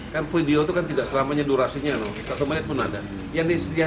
kan video itu kan tidak selamanya durasinya satu menit pun ada